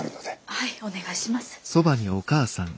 はいお願いします。